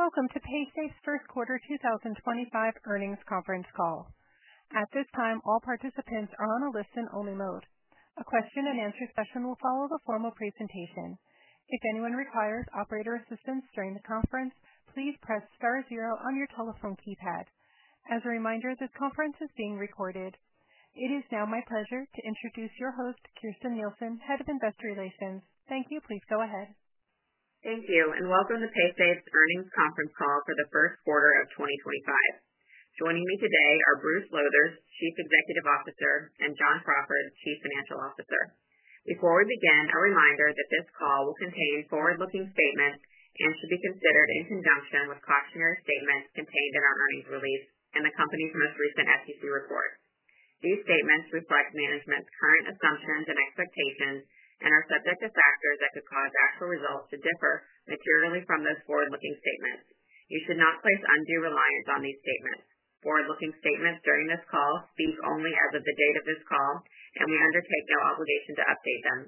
Welcome to Paysafe's first quarter 2025 earnings conference call. At this time, all participants are on a listen-only mode. A question-and-answer session will follow the formal presentation. If anyone requires operator assistance during the conference, please press star zero on your telephone keypad. As a reminder, this conference is being recorded. It is now my pleasure to introduce your host, Kirsten Nielsen, Head of Investor Relations. Thank you. Please go ahead. Thank you, and welcome to Paysafe's earnings conference call for the first quarter of 2025. Joining me today are Bruce Lowthers, Chief Executive Officer, and John Crawford, Chief Financial Officer. Before we begin, a reminder that this call will contain forward-looking statements and should be considered in conjunction with cautionary statements contained in our earnings release and the company's most recent FTC report. These statements reflect management's current assumptions and expectations and are subject to factors that could cause actual results to differ materially from those forward-looking statements. You should not place undue reliance on these statements. Forward-looking statements during this call speak only as of the date of this call, and we undertake no obligation to update them.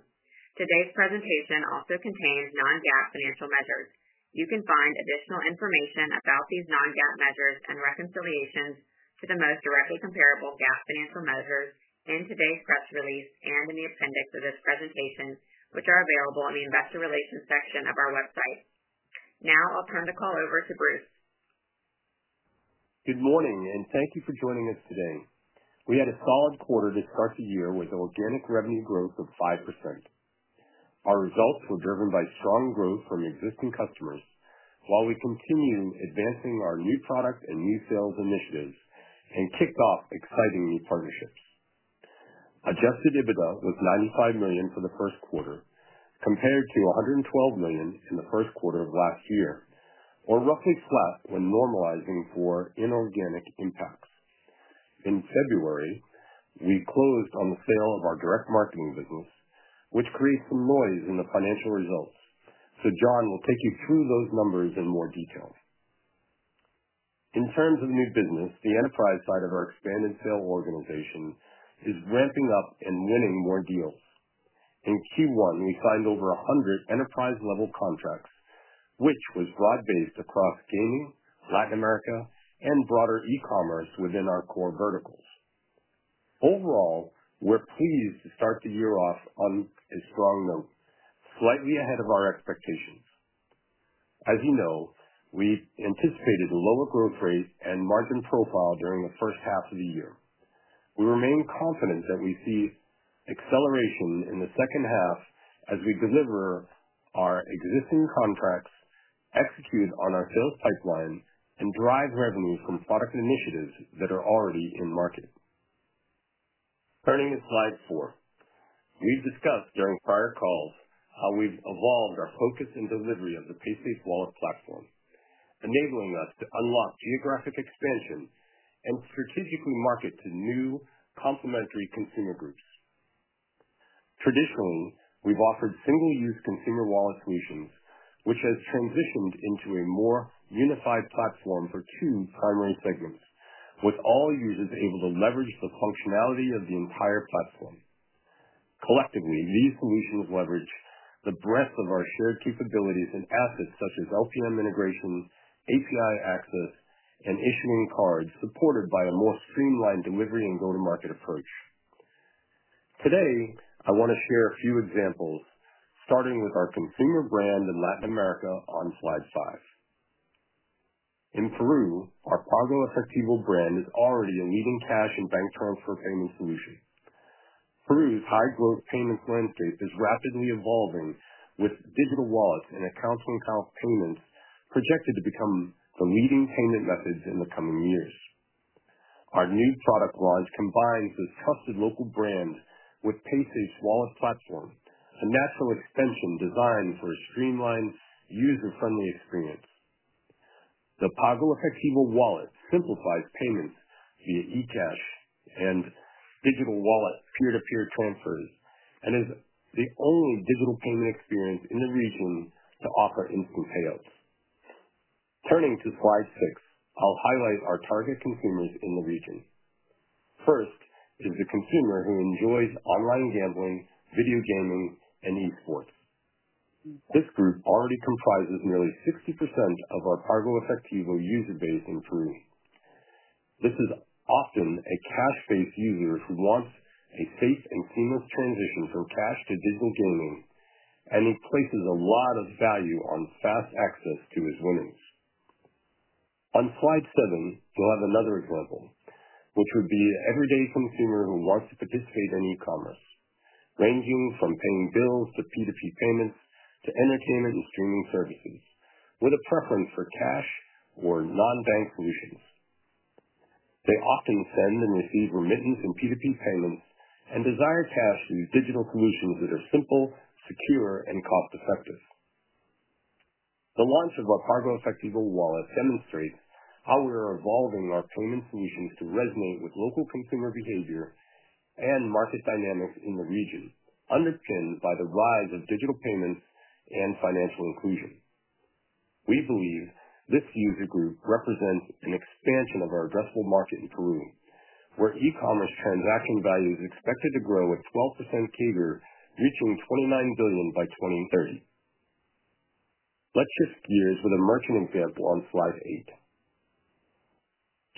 Today's presentation also contains non-GAAP financial measures. You can find additional information about these non-GAAP measures and reconciliations to the most directly comparable GAAP financial measures in today's press release and in the appendix of this presentation, which are available in the investor relations section of our website. Now I'll turn the call over to Bruce. Good morning, and thank you for joining us today. We had a solid quarter to start the year with organic revenue growth of 5%. Our results were driven by strong growth from existing customers, while we continue advancing our new product and new sales initiatives and kicked off exciting new partnerships. Adjusted EBITDA was $95 million for the first quarter, compared to $112 million in the first quarter of last year, or roughly flat when normalizing for inorganic impacts. In February, we closed on the sale of our direct marketing business, which creates some noise in the financial results. John will take you through those numbers in more detail. In terms of new business, the enterprise side of our expanded sales organization is ramping up and winning more deals. In Q1, we signed over 100 enterprise-level contracts, which was broad-based across gaming, Latin America, and broader e-commerce within our core verticals. Overall, we're pleased to start the year off on a strong note, slightly ahead of our expectations. As you know, we anticipated a lower growth rate and margin profile during the first half of the year. We remain confident that we see acceleration in the second half as we deliver our existing contracts, execute on our sales pipeline, and drive revenue from product initiatives that are already in market. Turning to slide four, we've discussed during prior calls how we've evolved our focus and delivery of the Paysafe wallet platform, enabling us to unlock geographic expansion and strategically market to new complementary consumer groups. Traditionally, we've offered single-use consumer wallet solutions, which has transitioned into a more unified platform for two primary segments, with all users able to leverage the functionality of the entire platform. Collectively, these solutions leverage the breadth of our shared capabilities and assets such as LPM integration, API access, and issuing cards, supported by a more streamlined delivery and go-to-market approach. Today, I want to share a few examples, starting with our consumer brand in Latin America on slide five. In Peru, our PagoEfectivo brand is already a leading cash and bank transfer payment solution. Peru's high-growth payments landscape is rapidly evolving, with digital wallets and accounts on account payments projected to become the leading payment methods in the coming years. Our new product launch combines this trusted local brand with Paysafe's wallet platform, a natural extension designed for a streamlined, user-friendly experience. The PagoEfectivo wallet simplifies payments via eCash and digital wallet peer-to-peer transfers and is the only digital payment experience in the region to offer instant payouts. Turning to slide six, I'll highlight our target consumers in the region. First is the consumer who enjoys online gambling, video gaming, and esports. This group already comprises nearly 60% of our PagoEfectivo user base in Peru. This is often a cash-based user who wants a safe and seamless transition from cash to digital gaming and places a lot of value on fast access to his winnings. On slide seven, you'll have another example, which would be an everyday consumer who wants to participate in e-commerce, ranging from paying bills to P2P payments to entertainment and streaming services, with a preference for cash or non-bank solutions. They often send and receive remittance and P2P payments and desire cash through digital solutions that are simple, secure, and cost-effective. The launch of our PagoEfectivo wallet demonstrates how we are evolving our payment solutions to resonate with local consumer behavior and market dynamics in the region, underpinned by the rise of digital payments and financial inclusion. We believe this user group represents an expansion of our addressable market in Peru, where e-commerce transaction value is expected to grow at 12% CAGR, reaching $29 billion by 2030. Let's shift gears with a merchant example on slide eight.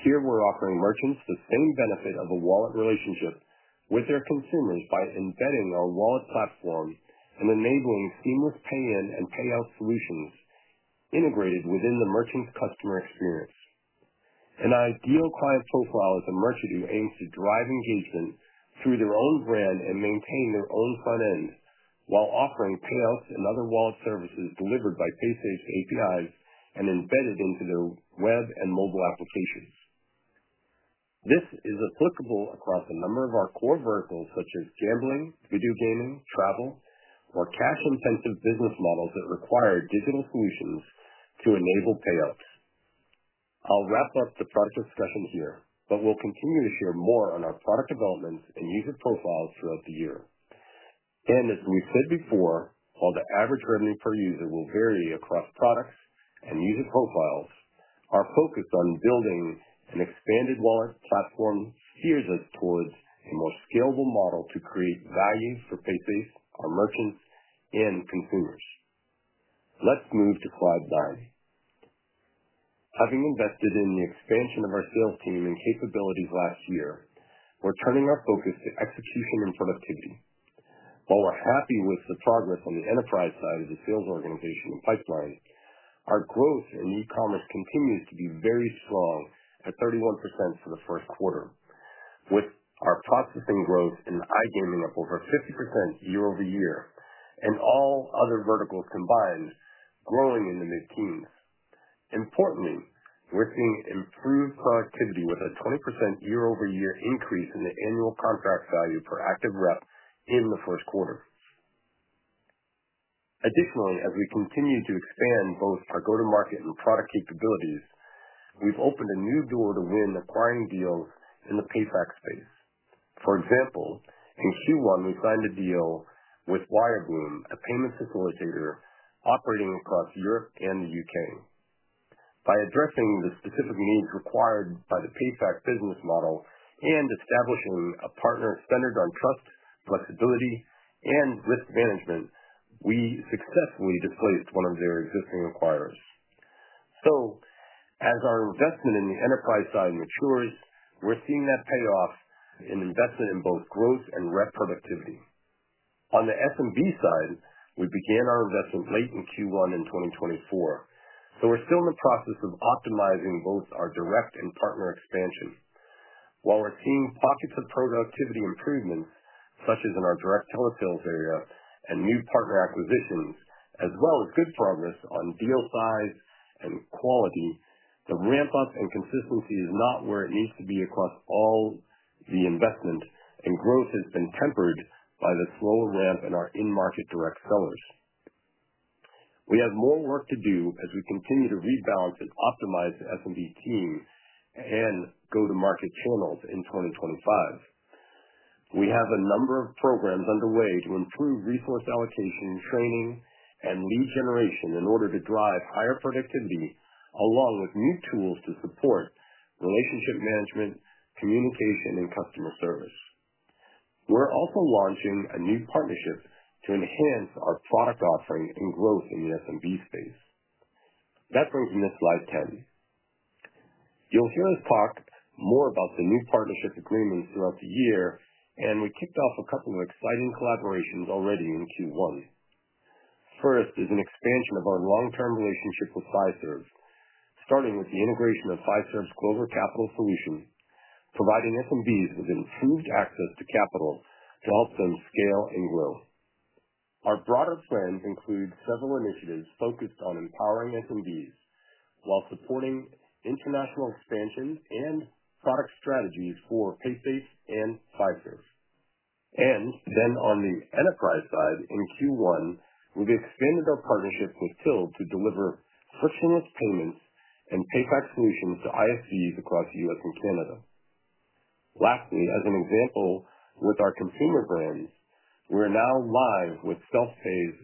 Here, we're offering merchants the same benefit of a wallet relationship with their consumers by embedding our wallet platform and enabling seamless pay-in and pay-out solutions integrated within the merchant's customer experience. An ideal client profile is a merchant who aims to drive engagement through their own brand and maintain their own front end while offering payouts and other wallet services delivered by Paysafe's APIs and embedded into their web and mobile applications. This is applicable across a number of our core verticals, such as gambling, video gaming, travel, or cash-intensive business models that require digital solutions to enable payouts. I'll wrap up the product discussion here, but we'll continue to share more on our product developments and user profiles throughout the year. As we've said before, while the average revenue per user will vary across products and user profiles, our focus on building an expanded wallet platform steers us towards a more scalable model to create value for Paysafe, our merchants, and consumers. Let's move to slide nine. Having invested in the expansion of our sales team and capabilities last year, we're turning our focus to execution and productivity. While we're happy with the progress on the enterprise side of the sales organization and pipeline, our growth in e-commerce continues to be very strong at 31% for the first quarter, with our processing growth in iGaming up over 50% year over year and all other verticals combined growing in the mid-teens. Importantly, we're seeing improved productivity with a 20% year-over-year increase in the annual contract value per active rep in the first quarter. Additionally, as we continue to expand both our go-to-market and product capabilities, we've opened a new door to win acquiring deals in the PayFac space. For example, in Q1, we signed a deal with WireBloom, a payment facilitator operating across Europe and the U.K. By addressing the specific needs required by the PayFac business model and establishing a partner centered on trust, flexibility, and risk management, we successfully displaced one of their existing acquirers. As our investment in the enterprise side matures, we're seeing that payoff in investment in both growth and rep productivity. On the SMB side, we began our investment late in Q1 in 2024, so we're still in the process of optimizing both our direct and partner expansion. While we're seeing pockets of productivity improvements, such as in our direct telesales area and new partner acquisitions, as well as good progress on deal size and quality, the ramp-up and consistency is not where it needs to be across all the investment, and growth has been tempered by the slow ramp in our in-market direct sellers. We have more work to do as we continue to rebalance and optimize the SMB team and go-to-market channels in 2025. We have a number of programs underway to improve resource allocation, training, and lead generation in order to drive higher productivity, along with new tools to support relationship management, communication, and customer service. We're also launching a new partnership to enhance our product offering and growth in the SMB space. That brings me to slide 10. You'll hear us talk more about the new partnership agreements throughout the year, and we kicked off a couple of exciting collaborations already in Q1. First is an expansion of our long-term relationship with Fiserv, starting with the integration of Fiserv's Clover Capital solution, providing SMBs with improved access to capital to help them scale and grow. Our broader plans include several initiatives focused on empowering SMBs while supporting international expansion and product strategies for Paysafe and Fiserv. On the enterprise side, in Q1, we've expanded our partnership with Tilled to deliver frictionless payments and payback solutions to ISVs across the U.S. and Canada. Lastly, as an example with our consumer brands, we're now live with SelfPay's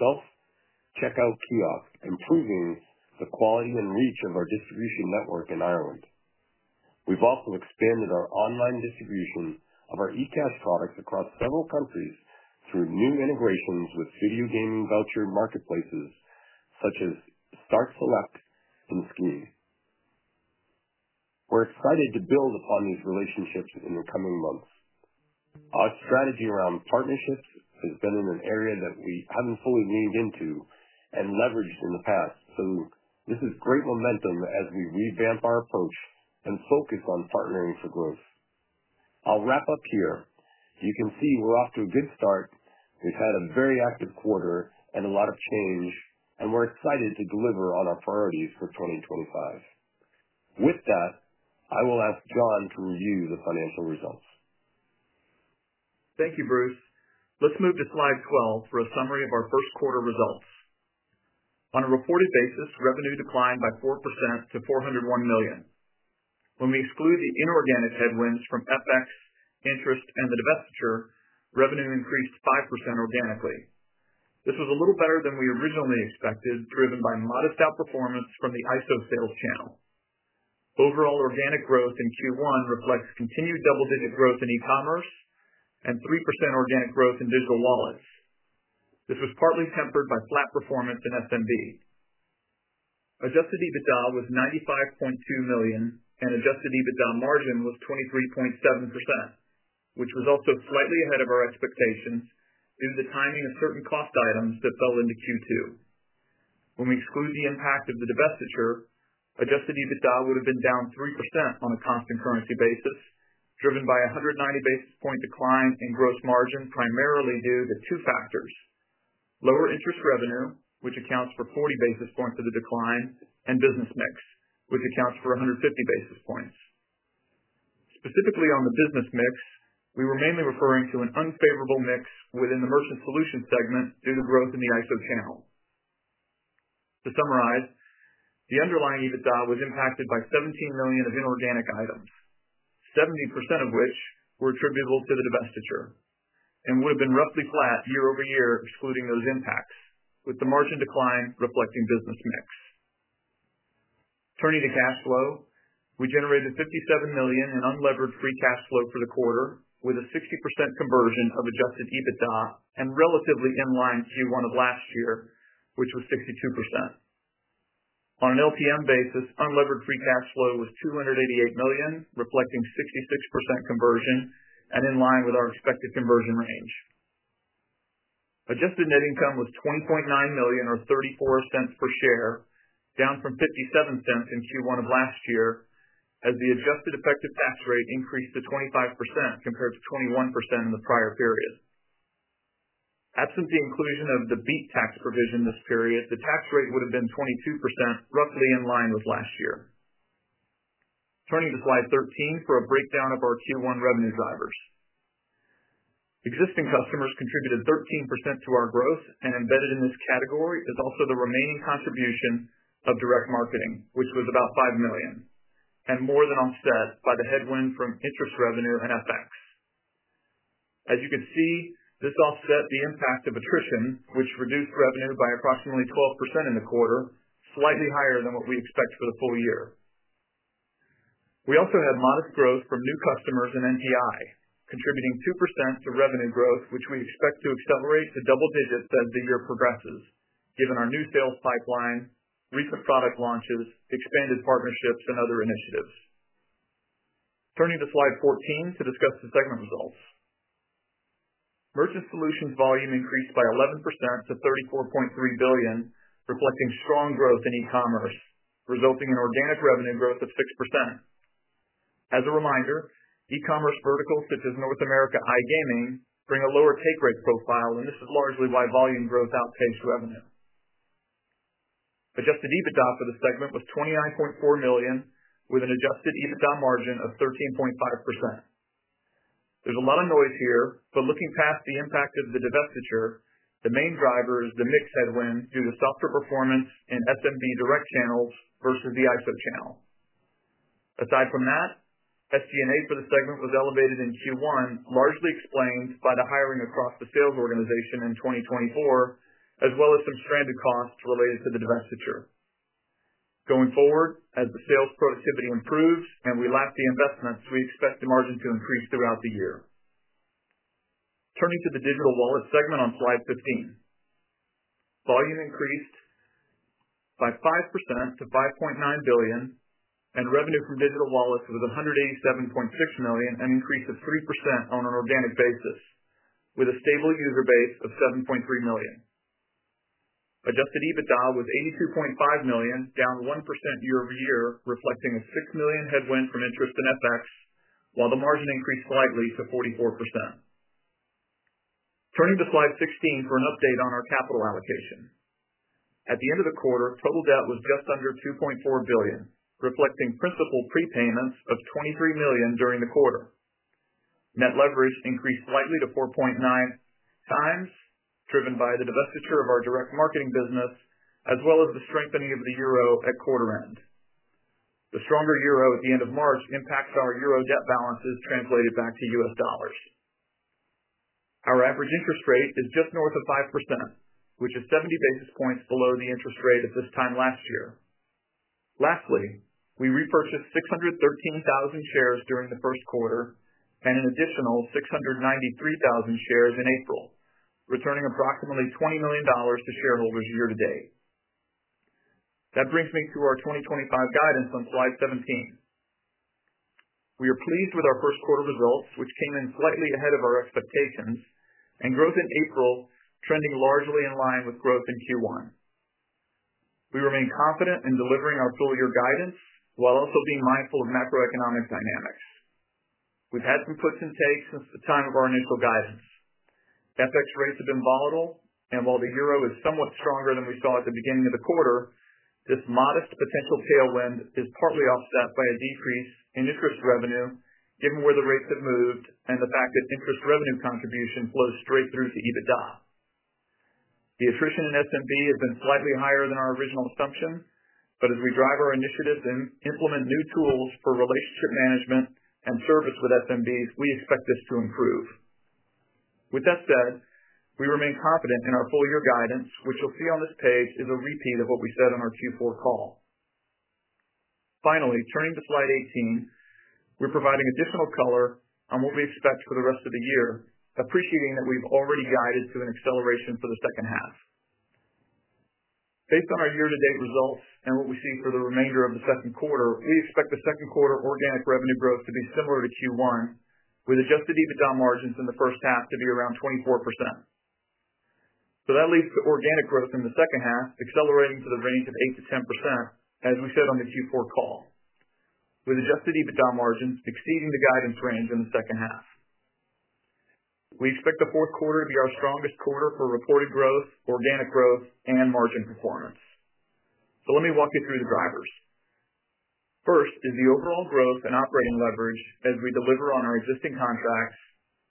self-checkout kiosk, improving the quality and reach of our distribution network in Ireland. We've also expanded our online distribution of our eCash products across several countries through new integrations with video gaming voucher marketplaces such as Startselect and Xsolla. We're excited to build upon these relationships in the coming months. Our strategy around partnerships has been in an area that we haven't fully leaned into and leveraged in the past, so this is great momentum as we revamp our approach and focus on partnering for growth. I'll wrap up here. You can see we're off to a good start. We've had a very active quarter and a lot of change, and we're excited to deliver on our priorities for 2025. With that, I will ask John to review the financial results. Thank you, Bruce. Let's move to slide 12 for a summary of our first quarter results. On a reported basis, revenue declined by 4% to $401 million. When we exclude the inorganic headwinds from FX, interest, and the divestiture, revenue increased 5% organically. This was a little better than we originally expected, driven by modest outperformance from the ISO sales channel. Overall organic growth in Q1 reflects continued double-digit growth in e-commerce and 3% organic growth in digital wallets. This was partly tempered by flat performance in SMB. Adjusted EBITDA was $95.2 million, and adjusted EBITDA margin was 23.7%, which was also slightly ahead of our expectations due to the timing of certain cost items that fell into Q2. When we exclude the impact of the divestiture, adjusted EBITDA would have been down 3% on a constant currency basis, driven by a 190 basis point decline in gross margin, primarily due to two factors: lower interest revenue, which accounts for 40 basis points of the decline, and business mix, which accounts for 150 basis points. Specifically on the business mix, we were mainly referring to an unfavorable mix within the merchant solution segment due to growth in the ISO channel. To summarize, the underlying EBITDA was impacted by $17 million of inorganic items, 70% of which were attributable to the divestiture, and would have been roughly flat year-over-year excluding those impacts, with the margin decline reflecting business mix. Turning to cash flow, we generated $57 million in unlevered free cash flow for the quarter, with a 60% conversion of adjusted EBITDA and relatively in line with Q1 of last year, which was 62%. On an LTM basis, unlevered free cash flow was $288 million, reflecting 66% conversion and in line with our expected conversion range. Adjusted net income was $20.9 million, or $0.34 per share, down from $0.57 in Q1 of last year as the adjusted effective tax rate increased to 25% compared to 21% in the prior period. Absent the inclusion of the BEAT tax provision this period, the tax rate would have been 22%, roughly in line with last year. Turning to slide 13 for a breakdown of our Q1 revenue drivers. Existing customers contributed 13% to our growth, and embedded in this category is also the remaining contribution of direct marketing, which was about $5 million, and more than offset by the headwind from interest revenue and FX. As you can see, this offset the impact of attrition, which reduced revenue by approximately 12% in the quarter, slightly higher than what we expect for the full year. We also had modest growth from new customers and NPI, contributing 2% to revenue growth, which we expect to accelerate to double digits as the year progresses, given our new sales pipeline, recent product launches, expanded partnerships, and other initiatives. Turning to slide 14 to discuss the segment results. Merchant Solutions volume increased by 11% to $34.3 billion, reflecting strong growth in e-commerce, resulting in organic revenue growth of 6%. As a reminder, e-commerce verticals such as North America iGaming bring a lower take rate profile, and this is largely why volume growth outpaced revenue. Adjusted EBITDA for the segment was $29.4 million, with an adjusted EBITDA margin of 13.5%. There's a lot of noise here, but looking past the impact of the divestiture, the main driver is the mixed headwind due to softer performance in SMB direct channels versus the ISO channel. Aside from that, SG&A for the segment was elevated in Q1, largely explained by the hiring across the sales organization in 2024, as well as some stranded costs related to the divestiture. Going forward, as the sales productivity improves and we lap the investments, we expect the margin to increase throughout the year. Turning to the digital wallet segment on slide 15. Volume increased by 5% to $5.9 billion, and revenue from digital wallets was $187.6 million, an increase of 3% on an organic basis, with a stable user base of 7.3 million. Adjusted EBITDA was $82.5 million, down 1% year-over-year, reflecting a $6 million headwind from interest and FX, while the margin increased slightly to 44%. Turning to slide 16 for an update on our capital allocation. At the end of the quarter, total debt was just under $2.4 billion, reflecting principal prepayments of $23 million during the quarter. Net leverage increased slightly to 4.9 times, driven by the divestiture of our direct marketing business, as well as the strengthening of the euro at quarter end. The stronger euro at the end of March impacts our euro debt balances translated back to US dollars. Our average interest rate is just north of 5%, which is 70 basis points below the interest rate at this time last year. Lastly, we repurchased 613,000 shares during the first quarter and an additional 693,000 shares in April, returning approximately $20 million to shareholders year-to-date. That brings me to our 2025 guidance on slide 17. We are pleased with our first quarter results, which came in slightly ahead of our expectations, and growth in April trending largely in line with growth in Q1. We remain confident in delivering our full-year guidance while also being mindful of macroeconomic dynamics. We have had some puts and takes since the time of our initial guidance. FX rates have been volatile, and while the euro is somewhat stronger than we saw at the beginning of the quarter, this modest potential tailwind is partly offset by a decrease in interest revenue, given where the rates have moved and the fact that interest revenue contribution flows straight through to EBITDA. The attrition in SMB has been slightly higher than our original assumption, but as we drive our initiatives and implement new tools for relationship management and service with SMBs, we expect this to improve. With that said, we remain confident in our full-year guidance, which you'll see on this page is a repeat of what we said on our Q4 call. Finally, turning to slide 18, we're providing additional color on what we expect for the rest of the year, appreciating that we've already guided to an acceleration for the second half. Based on our year-to-date results and what we see for the remainder of the second quarter, we expect the second quarter organic revenue growth to be similar to Q1, with adjusted EBITDA margins in the first half to be around 24%. That leads to organic growth in the second half, accelerating to the range of 8%-10%, as we said on the Q4 call, with adjusted EBITDA margins exceeding the guidance range in the second half. We expect the fourth quarter to be our strongest quarter for reported growth, organic growth, and margin performance. Let me walk you through the drivers. First is the overall growth and operating leverage as we deliver on our existing contracts,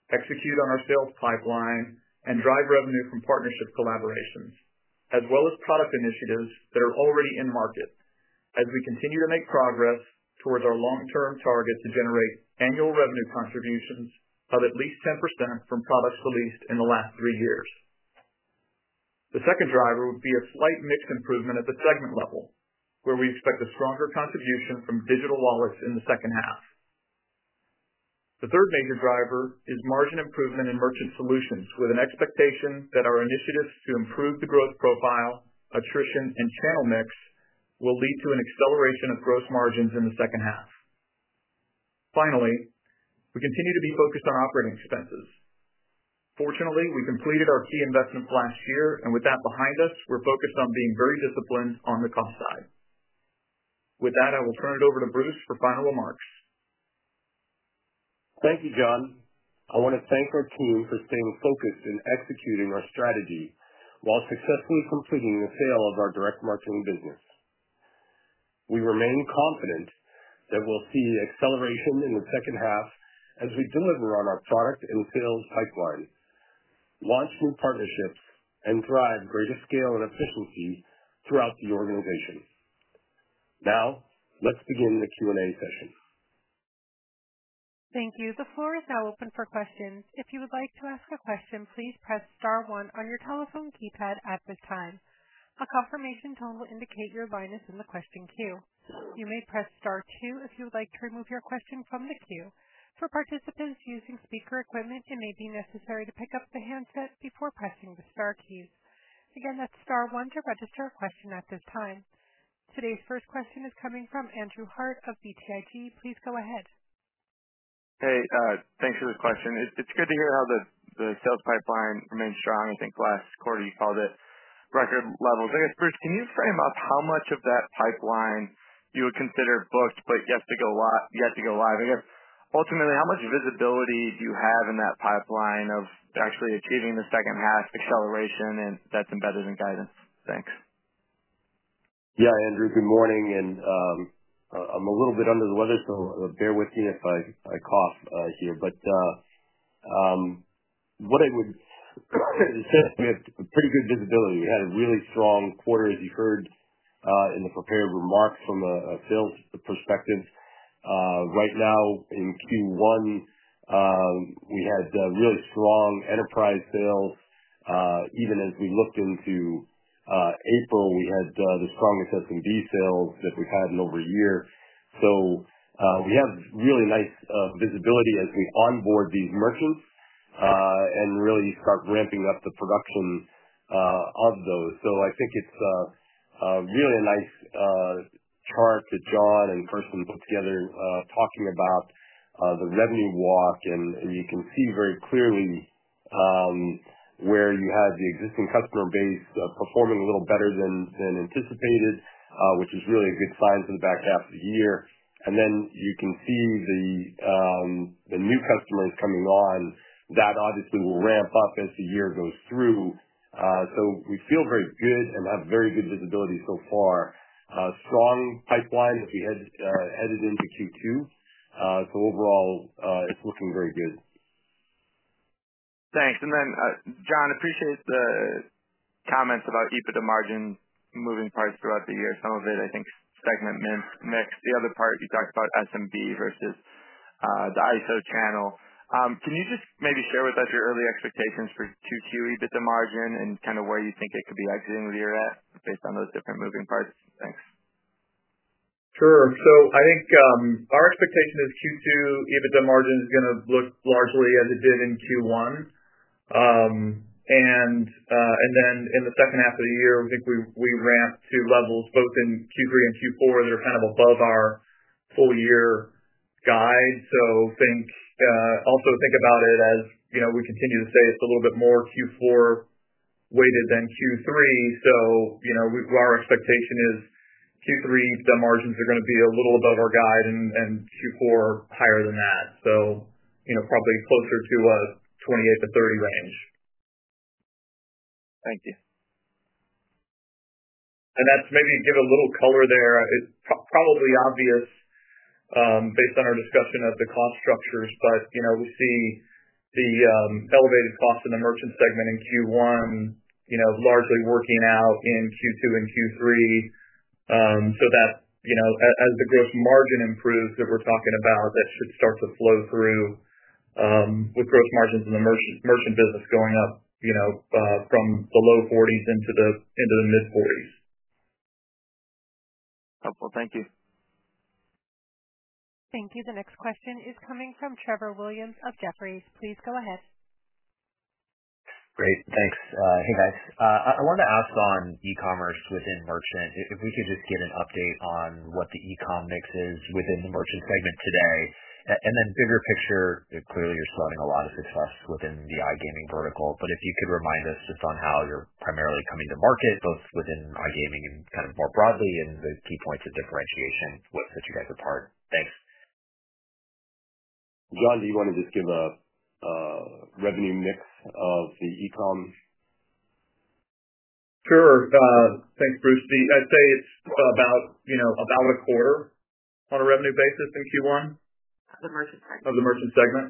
execute on our sales pipeline, and drive revenue from partnership collaborations, as well as product initiatives that are already in market, as we continue to make progress towards our long-term target to generate annual revenue contributions of at least 10% from products released in the last three years. The second driver would be a slight mix improvement at the segment level, where we expect a stronger contribution from digital wallets in the second half. The third major driver is margin improvement in merchant solutions, with an expectation that our initiatives to improve the growth profile, attrition, and channel mix will lead to an acceleration of gross margins in the second half. Finally, we continue to be focused on operating expenses. Fortunately, we completed our key investments last year, and with that behind us, we're focused on being very disciplined on the cost side. With that, I will turn it over to Bruce for final remarks. Thank you, John. I want to thank our team for staying focused in executing our strategy while successfully completing the sale of our direct marketing business. We remain confident that we'll see acceleration in the second half as we deliver on our product and sales pipeline, launch new partnerships, and drive greater scale and efficiency throughout the organization. Now, let's begin the Q&A session. Thank you. The floor is now open for questions. If you would like to ask a question, please press star one on your telephone keypad at this time. A confirmation tone will indicate your line is in the question queue. You may press star two if you would like to remove your question from the queue. For participants using speaker equipment, it may be necessary to pick up the handset before pressing the star keys. Again, that's star one to register a question at this time. Today's first question is coming from Andrew Harte of BTIG. Please go ahead. Hey, thanks for the question. It's good to hear how the sales pipeline remains strong. I think last quarter you called it record levels. I guess, Bruce, can you frame up how much of that pipeline you would consider booked, but yet to go live? I guess, ultimately, how much visibility do you have in that pipeline of actually achieving the second half acceleration, and that's embedded in guidance? Thanks. Yeah, Andrew, good morning. I'm a little bit under the weather, so bear with me if I cough here. What I would say is we had pretty good visibility. We had a really strong quarter, as you heard in the prepared remarks from a sales perspective. Right now, in Q1, we had really strong enterprise sales. Even as we looked into April, we had the strongest SMB sales that we've had in over a year. We have really nice visibility as we onboard these merchants and really start ramping up the production of those. I think it's really a nice chart that John and Kirsten put together talking about the revenue walk, and you can see very clearly where you had the existing customer base performing a little better than anticipated, which is really a good sign for the back half of the year. You can see the new customers coming on. That obviously will ramp up as the year goes through. We feel very good and have very good visibility so far. Strong pipeline that we had headed into Q2. Overall, it's looking very good. Thanks. John, I appreciate the comments about EBITDA margin moving parts throughout the year. Some of it, I think, segment mix. The other part you talked about SMB versus the ISO channel. Can you just maybe share with us your early expectations for Q2 EBITDA margin and kind of where you think it could be exiting the year at based on those different moving parts? Thanks. Sure. So I think our expectation is Q2 EBITDA margin is going to look largely as it did in Q1. In the second half of the year, we think we ramp to levels both in Q3 and Q4 that are kind of above our full-year guide. Also think about it as we continue to say it's a little bit more Q4-weighted than Q3. Our expectation is Q3 EBITDA margins are going to be a little above our guide and Q4 higher than that. Probably closer to a 28%-30% range. Thank you. Maybe to give a little color there. It's probably obvious based on our discussion of the cost structures, but we see the elevated costs in the merchant segment in Q1 largely working out in Q2 and Q3. As the gross margin improves that we're talking about, that should start to flow through with gross margins in the merchant business going up from the low 40s into the mid-40s. Helpful. Thank you. Thank you. The next question is coming from Trevor Williams of Jefferies. Please go ahead. Great. Thanks. Hey, guys. I wanted to ask on e-commerce within merchant. If we could just get an update on what the e-com mix is within the merchant segment today. Then bigger picture, clearly you're seeing a lot of success within the iGaming vertical, but if you could remind us just on how you're primarily coming to market, both within iGaming and kind of more broadly, and the key points of differentiation that set you guys apart. Thanks. John, do you want to just give a revenue mix of the e-com? Sure. Thanks, Bruce. I'd say it's about a quarter on a revenue basis in Q1. Of the merchant segment. Of the merchant segment.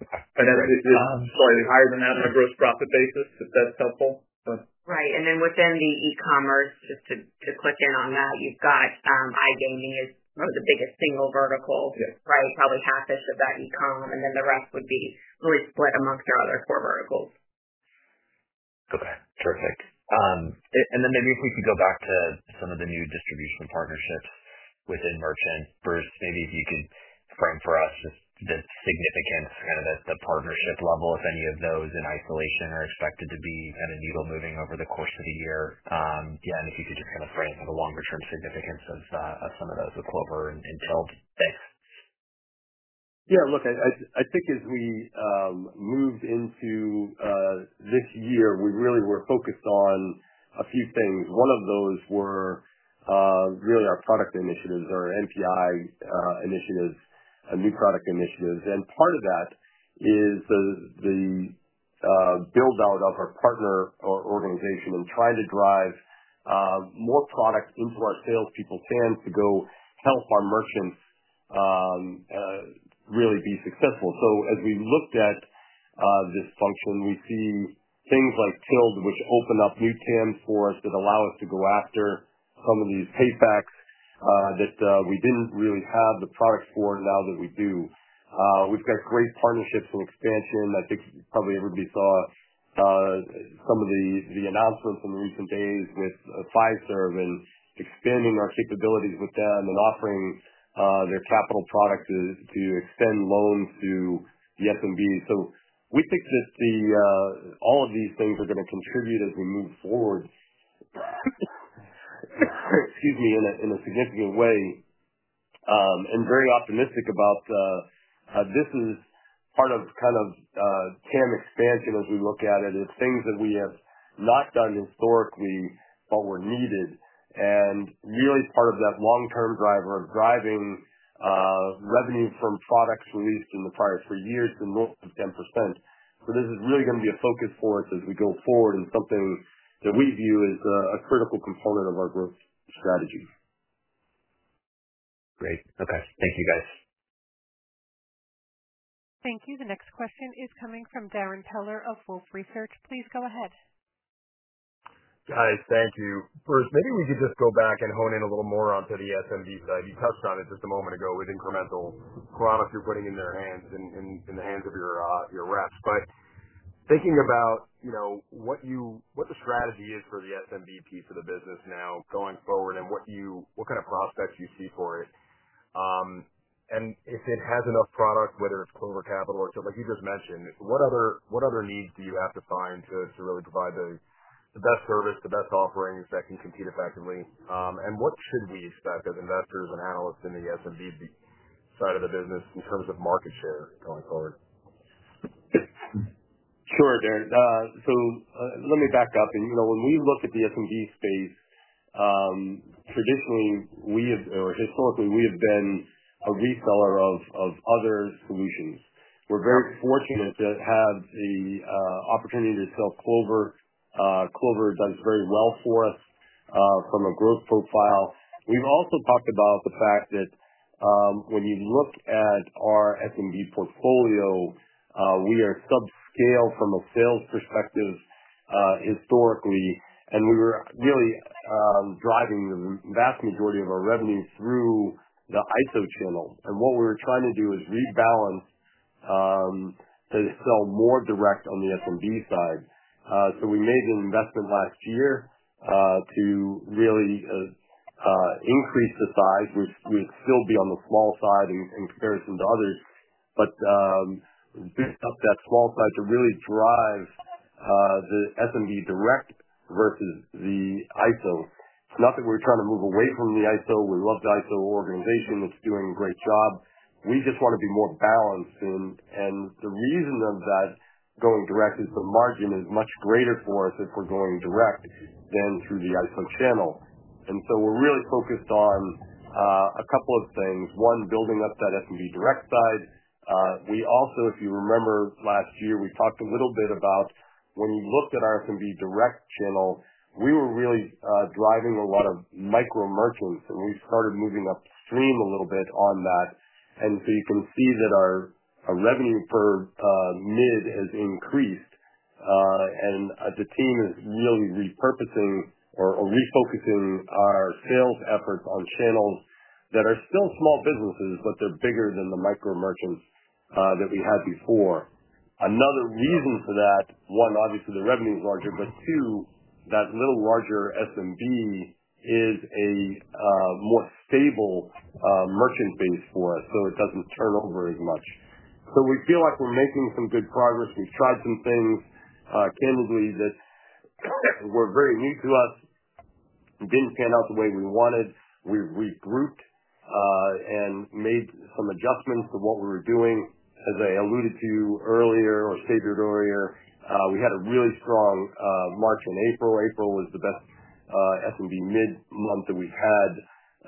That is slightly higher than that on a gross profit basis, if that is helpful. Right. And then within the e-commerce, just to click in on that, you've got iGaming as the biggest single vertical, right? Probably half-ish of that e-com, and then the rest would be really split amongst your other core verticals. Okay. Terrific. Maybe if we could go back to some of the new distribution partnerships within merchant. Bruce, maybe if you could frame for us just the significance, kind of at the partnership level, if any of those in isolation are expected to be kind of needle-moving over the course of the year. Yeah, and if you could just kind of frame the longer-term significance of some of those, with Clover and Tilled. Thanks. Yeah. Look, I think as we moved into this year, we really were focused on a few things. One of those were really our product initiatives, our NPI initiatives, new product initiatives. And part of that is the build-out of our partner organization and trying to drive more product into our salespeople's hands to go help our merchants really be successful. As we looked at this function, we see things like Tilled, which opened up new TIMs for us that allow us to go after some of these paybacks that we didn't really have the products for, now that we do. We've got great partnerships and expansion. I think probably everybody saw some of the announcements in recent days with Fiserv and expanding our capabilities with them and offering their capital product to extend loans to the SMB. We think that all of these things are going to contribute as we move forward, excuse me, in a significant way. Very optimistic about this is part of kind of TAM expansion as we look at it. It's things that we have not done historically, but were needed. Really part of that long-term driver of driving revenue from products released in the prior three years to north of 10%. This is really going to be a focus for us as we go forward and something that we view as a critical component of our growth strategy. Great. Okay. Thank you, guys. Thank you. The next question is coming from Darren Teller of Wolf Research. Please go ahead. Guys, thank you. Bruce, maybe we could just go back and hone in a little more onto the SMB side. You touched on it just a moment ago with incremental products you're putting in their hands and the hands of your reps. Thinking about what the strategy is for the SMB piece of the business now going forward and what kind of prospects you see for it, and if it has enough product, whether it's Clover Capital or like you just mentioned, what other needs do you have to find to really provide the best service, the best offerings that can compete effectively? What should we expect as investors and analysts in the SMB side of the business in terms of market share going forward? Sure, Darren. Let me back up. When we look at the SMB space, traditionally, or historically, we have been a reseller of other solutions. We're very fortunate to have the opportunity to sell Clover. Clover does very well for us from a growth profile. We've also talked about the fact that when you look at our SMB portfolio, we are subscale from a sales perspective historically, and we were really driving the vast majority of our revenue through the ISO channel. What we were trying to do is rebalance to sell more direct on the SMB side. We made an investment last year to really increase the size. We'd still be on the small side in comparison to others, but built up that small side to really drive the SMB direct versus the ISO. It's not that we're trying to move away from the ISO. We love the ISO organization. It's doing a great job. We just want to be more balanced. The reason of that going direct is the margin is much greater for us if we're going direct than through the ISO channel. We are really focused on a couple of things. One, building up that SMB direct side. If you remember last year, we talked a little bit about when you looked at our SMB direct channel, we were really driving a lot of micro merchants, and we started moving upstream a little bit on that. You can see that our revenue per mid has increased, and the team is really repurposing or refocusing our sales efforts on channels that are still small businesses, but they're bigger than the micro merchants that we had before. Another reason for that, one, obviously, the revenue is larger, but two, that little larger SMB is a more stable merchant base for us, so it does not turn over as much. We feel like we are making some good progress. We have tried some things, candidly, that were very new to us, did not pan out the way we wanted. We have regrouped and made some adjustments to what we were doing. As I alluded to earlier or stated earlier, we had a really strong March and April. April was the best SMB mid month that we have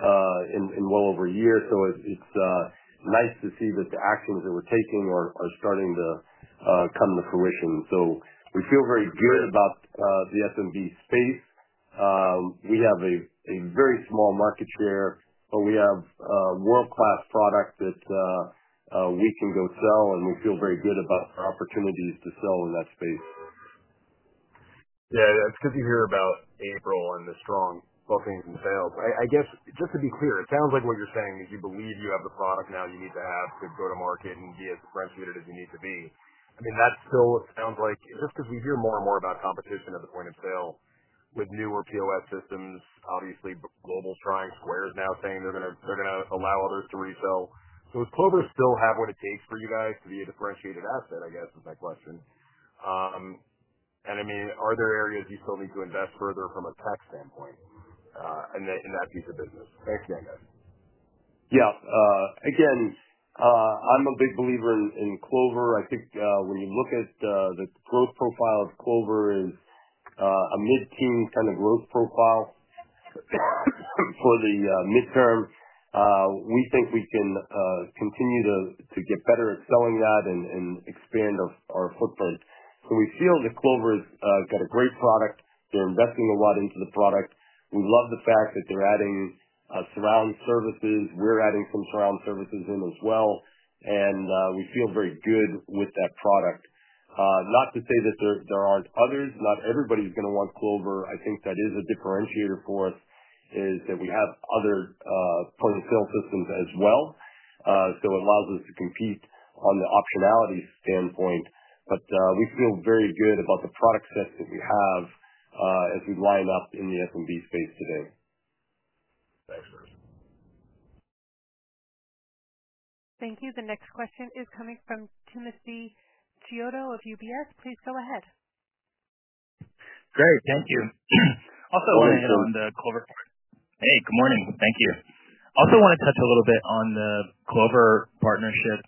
had in well over a year. It is nice to see that the actions that we are taking are starting to come to fruition. We feel very good about the SMB space. We have a very small market share, but we have world-class product that we can go sell, and we feel very good about our opportunities to sell in that space. Yeah. It's good to hear about April and the strong bookings and sales. I guess, just to be clear, it sounds like what you're saying is you believe you have the product now you need to have to go to market and be as differentiated as you need to be. I mean, that still sounds like just because we hear more and more about competition at the point of sale with newer POS systems, obviously, Global's trying. Square is now saying they're going to allow others to resell. Does Clover still have what it takes for you guys to be a differentiated asset, I guess, is my question. I mean, are there areas you still need to invest further from a tech standpoint in that piece of business? Thanks again, guys. Yeah. Again, I'm a big believer in Clover. I think when you look at the growth profile of Clover, it's a mid-teen kind of growth profile for the midterm. We think we can continue to get better at selling that and expand our footprint. We feel that Clover has got a great product. They're investing a lot into the product. We love the fact that they're adding surround services. We're adding some surround services in as well, and we feel very good with that product. Not to say that there aren't others. Not everybody's going to want Clover. I think that is a differentiator for us, is that we have other point-of-sale systems as well. It allows us to compete on the optionality standpoint, but we feel very good about the product sets that we have as we line up in the SMB space today. Thanks, Bruce. Thank you. The next question is coming from Timothy Chiodo of UBS. Please go ahead. Great. Thank you. Also want to hit on the Clover part. Hey, good morning. Thank you. Also want to touch a little bit on the Clover partnership.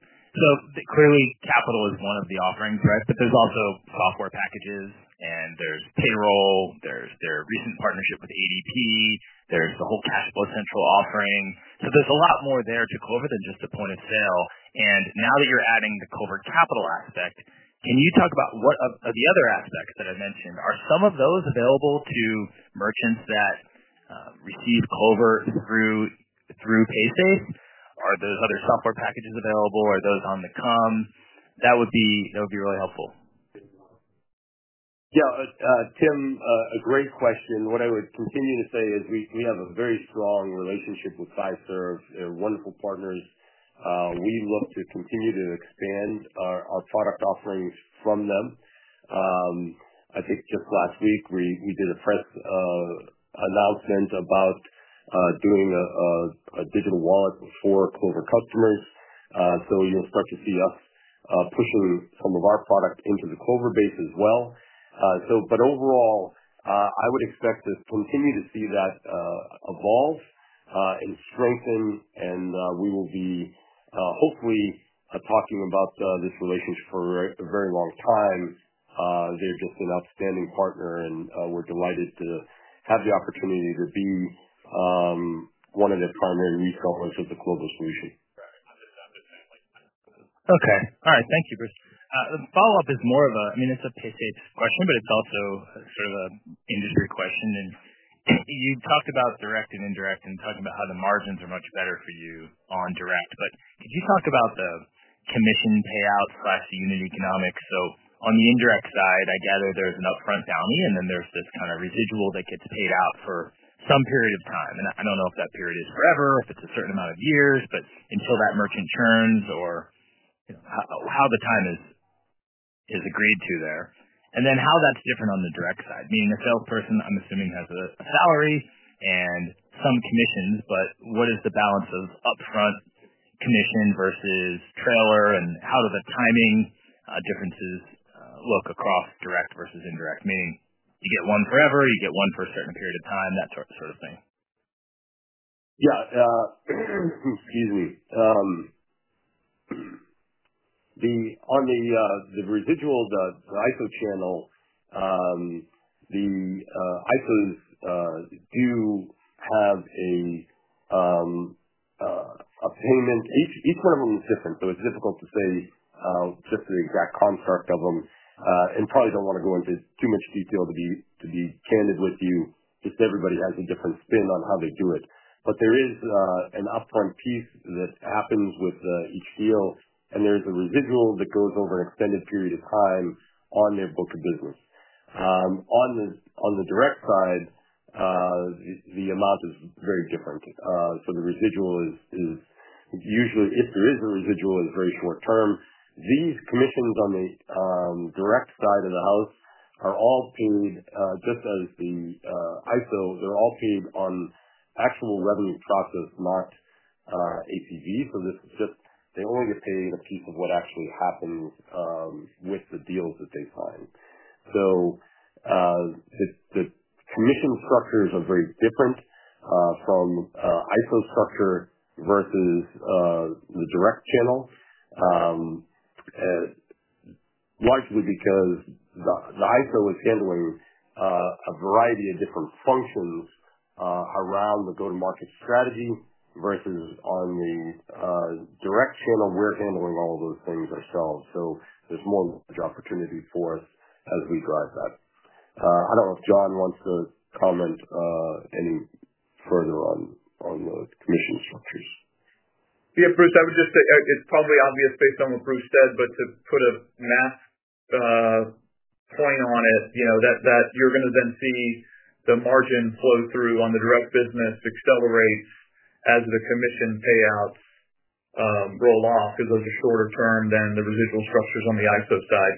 Clearly, capital is one of the offerings, right? There is also software packages, and there is payroll. There is their recent partnership with ADP. There is the whole Cashflow Central offering. There is a lot more there to Clover than just the point of sale. Now that you are adding the Clover Capital aspect, can you talk about what of the other aspects that I mentioned? Are some of those available to merchants that receive Clover through Paysafe? Are those other software packages available? Are those on the come? That would be really helpful. Yeah. Tim, a great question. What I would continue to say is we have a very strong relationship with Fiserv. They're wonderful partners. We look to continue to expand our product offerings from them. I think just last week, we did a press announcement about doing a digital wallet for Clover customers. You'll start to see us pushing some of our product into the Clover base as well. Overall, I would expect to continue to see that evolve and strengthen, and we will be hopefully talking about this relationship for a very long time. They're just an outstanding partner, and we're delighted to have the opportunity to be one of their primary resellers of the Clover solution. Okay. All right. Thank you, Bruce. The follow-up is more of a, I mean, it's a Paysafe question, but it's also sort of an industry question. You talked about direct and indirect and talking about how the margins are much better for you on direct. Could you talk about the commission payout/unity economics? On the indirect side, I gather there's an upfront bounty, and then there's this kind of residual that gets paid out for some period of time. I don't know if that period is forever or if it's a certain amount of years, but until that merchant churns or how the time is agreed to there. How that's different on the direct side, meaning a salesperson, I'm assuming, has a salary and some commissions, but what is the balance of upfront commission versus trailer? How do the timing differences look across direct versus indirect? Meaning you get one forever, you get one for a certain period of time, that sort of thing. Yeah. Excuse me. On the residual, the ISO channel, the ISOs do have a payment. Each one of them is different, so it's difficult to say just the exact construct of them. I probably do not want to go into too much detail to be candid with you. Just everybody has a different spin on how they do it. There is an upfront piece that happens with each deal, and there is a residual that goes over an extended period of time on their book of business. On the direct side, the amount is very different. The residual is usually, if there is a residual, very short term. These commissions on the direct side of the house are all paid just as the ISO. They are all paid on actual revenue process, not ACV. This is just they only get paid a piece of what actually happens with the deals that they sign. The commission structures are very different from ISO structure versus the direct channel, largely because the ISO is handling a variety of different functions around the go-to-market strategy versus on the direct channel, we're handling all of those things ourselves. There is more opportunity for us as we drive that. I don't know if John wants to comment any further on the commission structures. Yeah, Bruce, I would just say it's probably obvious based on what Bruce said, but to put a math point on it, that you're going to then see the margin flow through on the direct business accelerates as the commission payouts roll off because those are shorter term than the residual structures on the ISO side.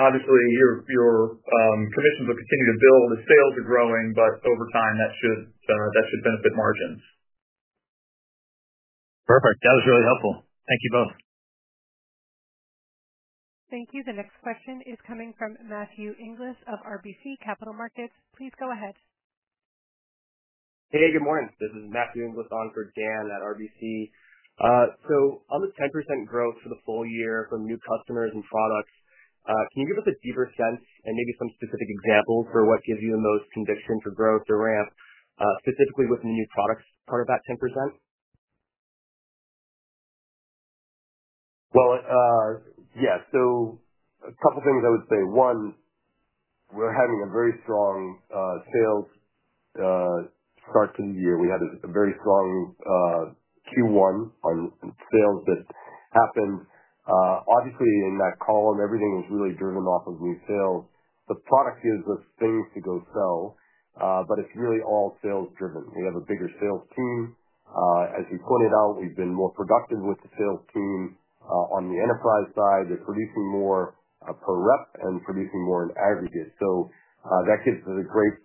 Obviously, your commissions will continue to build. The sales are growing, but over time, that should benefit margins. Perfect. That was really helpful. Thank you both. Thank you. The next question is coming from Matthew Inglis of RBC Capital Markets. Please go ahead. Hey, good morning. This is Matthew Inglis on for Dan at RBC. On the 10% growth for the full year from new customers and products, can you give us a deeper sense and maybe some specific examples for what gives you the most conviction for growth or ramp, specifically within the new products part of that 10%? Yeah. A couple of things I would say. One, we're having a very strong sales start to the year. We had a very strong Q1 on sales that happened. Obviously, in that column, everything was really driven off of new sales. The product gives us things to go sell, but it's really all sales-driven. We have a bigger sales team. As we pointed out, we've been more productive with the sales team on the enterprise side. They're producing more per rep and producing more in aggregate. That gives us great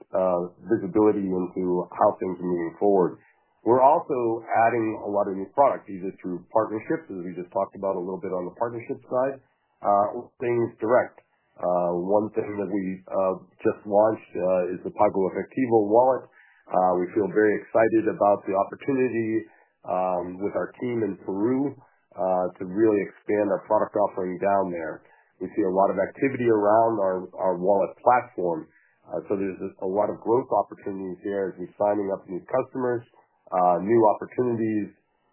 visibility into how things are moving forward. We're also adding a lot of new products, either through partnerships, as we just talked about a little bit on the partnership side, or things direct. One thing that we just launched is the PagoEfectivo wallet. We feel very excited about the opportunity with our team in Peru to really expand our product offering down there. We see a lot of activity around our wallet platform. There are a lot of growth opportunities there as we're signing up new customers, new opportunities,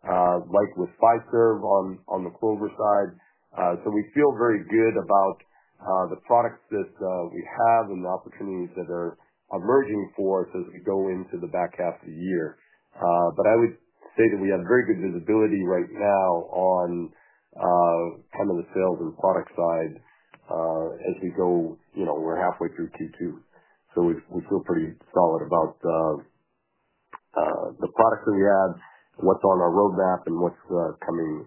like with Fiserv on the Clover side. We feel very good about the products that we have and the opportunities that are emerging for us as we go into the back half of the year. I would say that we have very good visibility right now on kind of the sales and product side as we go; we're halfway through Q2. We feel pretty solid about the products that we have, what's on our roadmap, and what's coming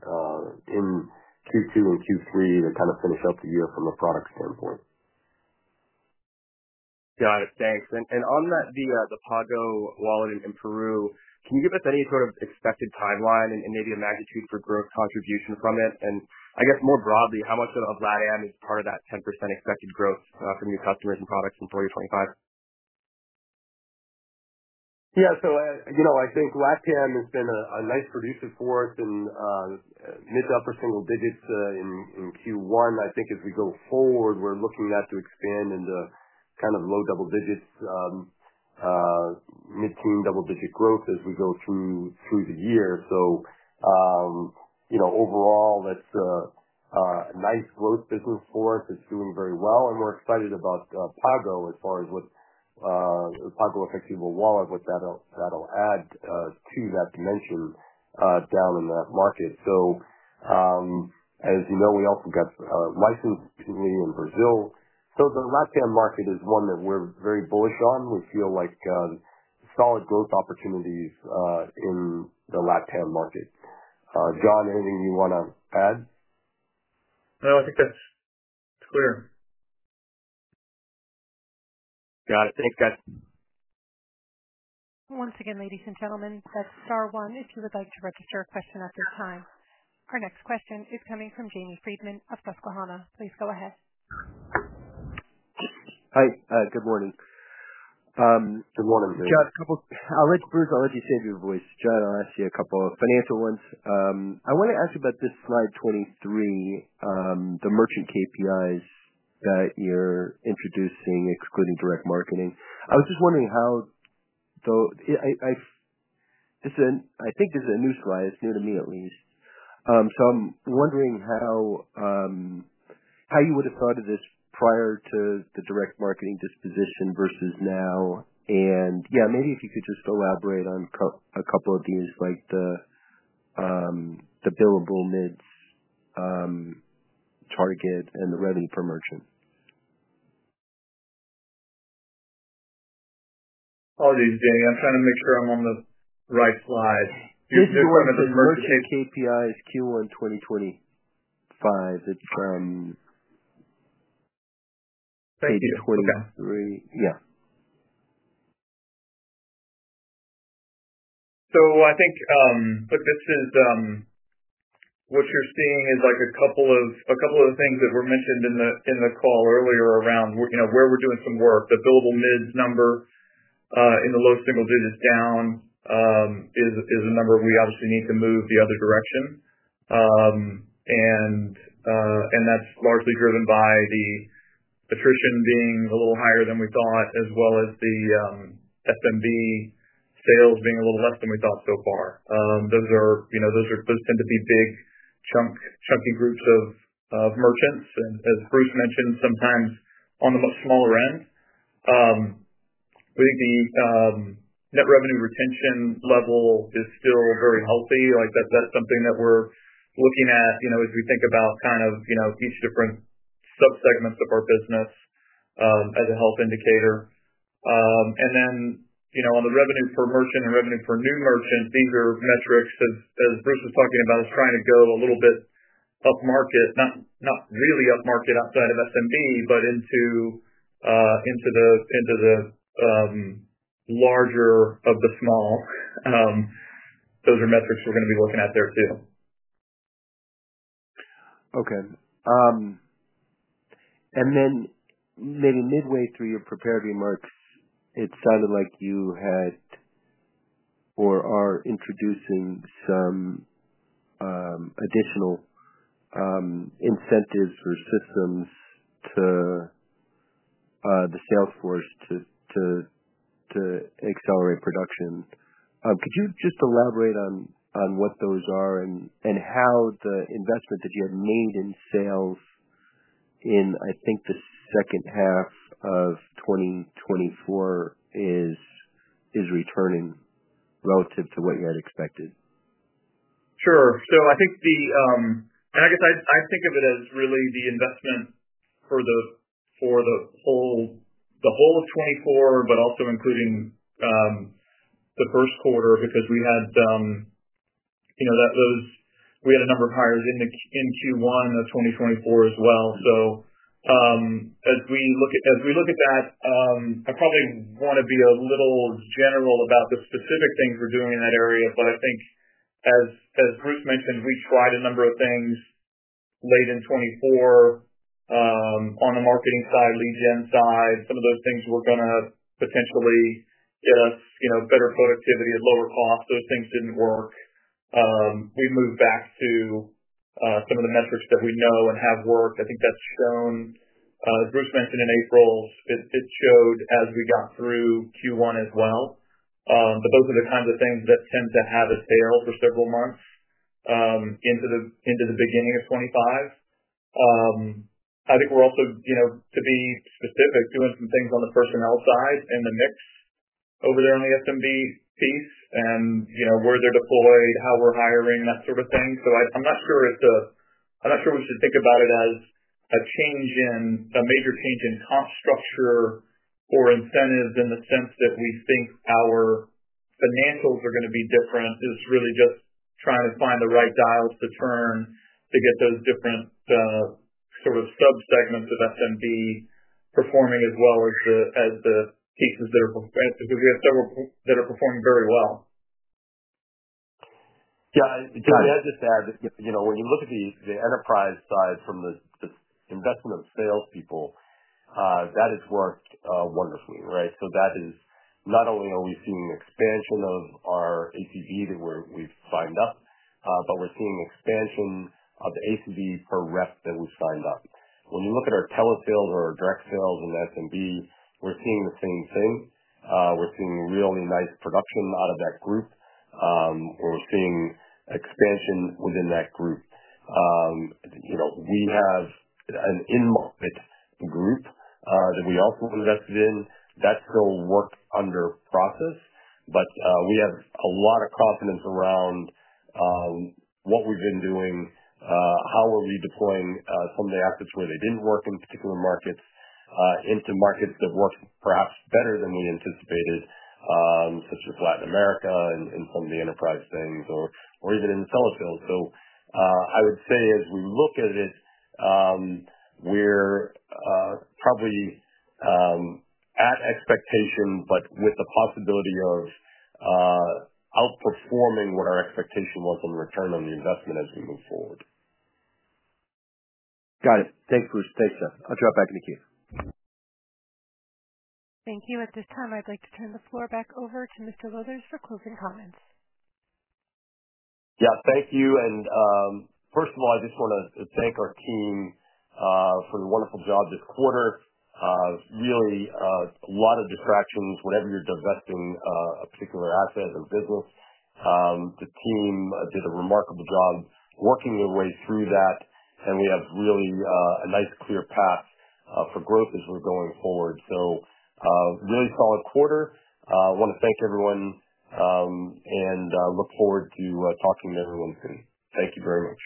in Q2 and Q3 to kind of finish up the year from a product standpoint. Got it. Thanks. On the Pago wallet in Peru, can you give us any sort of expected timeline and maybe a magnitude for growth contribution from it? I guess more broadly, how much of LatAm is part of that 10% expected growth from new customers and products in 2025? Yeah. So I think LatAm has been a nice producer for us in mid to upper single digits in Q1. I think as we go forward, we're looking at to expand into kind of low double digits, mid-teen, double digit growth as we go through the year. Overall, that's a nice growth business for us. It's doing very well. We're excited about Pago as far as what PagoEfectivo wallet, what that'll add to that dimension down in that market. As you know, we also got licensed recently in Brazil. The LatAm market is one that we're very bullish on. We feel like solid growth opportunities in the LatAm market. John, anything you want to add? No, I think that's clear. Got it. Thanks, guys. Once again, ladies and gentlemen, that's Star one if you would like to register a question at this time. Our next question is coming from Jamie Friedman of Susquehanna. Please go ahead. Hi. Good morning. Good morning. I'll let you save your voice. John, I'll ask you a couple of financial ones. I want to ask you about this slide 23, the merchant KPIs that you're introducing, excluding direct marketing. I was just wondering how—this is a new slide. It's new to me, at least. I am wondering how you would have thought of this prior to the direct marketing disposition versus now. Yeah, maybe if you could just elaborate on a couple of these, like the billable MIDs, target, and the revenue per merchant. Oh, these are big. I'm trying to make sure I'm on the right slide. You're doing good. KPI is Q1 2025. It's from 2023. Thank you. Okay. Yeah. I think what you're seeing is a couple of things that were mentioned in the call earlier around where we're doing some work. The billable mids number in the low single digits down is a number we obviously need to move the other direction. That's largely driven by the attrition being a little higher than we thought, as well as the SMB sales being a little less than we thought so far. Those tend to be big chunky groups of merchants, as Bruce mentioned, sometimes on the much smaller end. We think the net revenue retention level is still very healthy. That's something that we're looking at as we think about kind of each different subsegments of our business as a health indicator. On the revenue per merchant and revenue per new merchant, these are metrics, as Bruce was talking about, is trying to go a little bit up market, not really up market outside of SMB, but into the larger of the small. Those are metrics we're going to be looking at there too. Okay. Maybe midway through your prepared remarks, it sounded like you had or are introducing some additional incentives or systems to the salesforce to accelerate production. Could you just elaborate on what those are and how the investment that you had made in sales in, I think, the second half of 2024 is returning relative to what you had expected? Sure. I think the—and I guess I think of it as really the investment for the whole of 2024, but also including the first quarter, because we had those—we had a number of hires in Q1 of 2024 as well. As we look at that, I probably want to be a little general about the specific things we're doing in that area. I think, as Bruce mentioned, we tried a number of things late in 2024 on the marketing side, lead gen side. Some of those things were going to potentially get us better productivity at lower cost. Those things didn't work. We moved back to some of the metrics that we know and have worked. I think that's shown. Bruce mentioned in April, it showed as we got through Q1 as well. Those are the kinds of things that tend to have a sale for several months into the beginning of 2025. I think we're also, to be specific, doing some things on the personnel side and the mix over there on the SMB piece and where they're deployed, how we're hiring, that sort of thing. I'm not sure we should think about it as a major change in cost structure or incentives in the sense that we think our financials are going to be different. It's really just trying to find the right dial to turn to get those different sort of subsegments of SMB performing as well as the pieces that are, because we have several that are performing very well. Yeah. Can I just add that when you look at the enterprise side from the investment of salespeople, that has worked wonderfully, right? That is not only are we seeing expansion of our ACV that we've signed up, but we're seeing expansion of the ACV per rep that we've signed up. When you look at our telesales or our direct sales in SMB, we're seeing the same thing. We're seeing really nice production out of that group, where we're seeing expansion within that group. We have an in-market group that we also invested in. That's still work under process, but we have a lot of confidence around what we've been doing, how are we deploying some of the assets where they didn't work in particular markets into markets that worked perhaps better than we anticipated, such as Latin America and some of the enterprise things, or even in the telesales. I would say as we look at it, we're probably at expectation, but with the possibility of outperforming what our expectation was on the return on the investment as we move forward. Got it. Thanks, Bruce. Thanks, Jeff. I'll drop back into Keith. Thank you. At this time, I'd like to turn the floor back over to Mr. Lowthers for closing comments. Yeah. Thank you. First of all, I just want to thank our team for the wonderful job this quarter. Really, a lot of distractions whenever you're divesting a particular asset or business. The team did a remarkable job working their way through that, and we have really a nice clear path for growth as we're going forward. Really solid quarter. I want to thank everyone and look forward to talking to everyone soon. Thank you very much.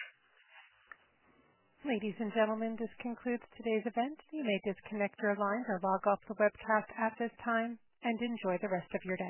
Ladies and gentlemen, this concludes today's event. You may disconnect your lines or log off the webcast at this time and enjoy the rest of your day.